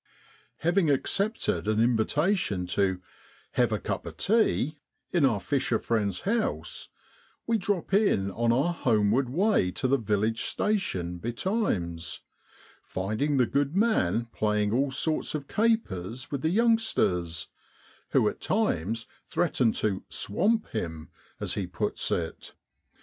Having accepted an invitation to * Hev a cup o' tea ' in our fisher friend's house, we drop in on our homeward way to the village station betimes, finding the good man playing all sorts of capers with the youngsters, who at times threaten to ' swamp ' him, as he puts it.